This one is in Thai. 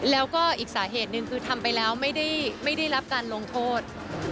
แล้วก็อีกสาเหตุหนึ่งคือทำไปแล้วไม่ได้รับการลงโทษ